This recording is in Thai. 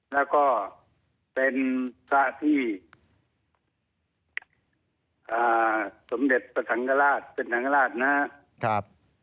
แล้วก็เป็นพระที่สมเด็จพระสังกราชเป็นสังฆราชนะครับ